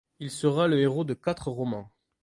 Il sera le héros de quatre romans.